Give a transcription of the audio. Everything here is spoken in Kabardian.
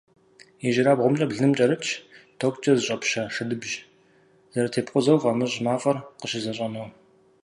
ИжьырабгъумкӀэ блыным кӀэрытщ токкӀэ зыщӀэпщэ шэдыбжь – зэрытепкъузэу фӀамыщӀ мафӀэр къыщызэщӀэнэу.